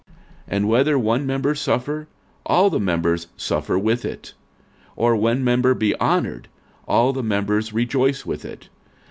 46:012:026 And whether one member suffer, all the members suffer with it; or one member be honoured, all the members rejoice with it.